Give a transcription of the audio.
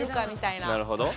なるほど。